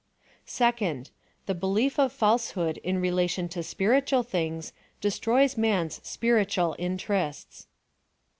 Second^ the belief of falsehood in relation to spir itual tilings J destroys 7nan''s spiritnal interests.